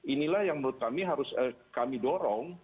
inilah yang menurut kami harus kami dorong